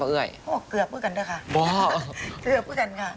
เกือบเกือบกันด้วยค่ะเกือบเกือบกันค่ะเกือบ